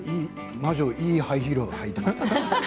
魔女はいいハイヒールを履いていますね。